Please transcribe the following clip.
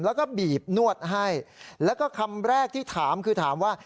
แล้วก็บีบนวดให้แล้วก็คำแรกที่ถามคือถามว่า